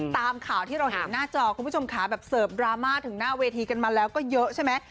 ตามข่าวที่เราเห็นหน้าจอคุณผู้ชมค่ะแบบเสิร์ฟดราม่าถึงหน้าเวทีกันมาแล้วก็เยอะใช่ไหม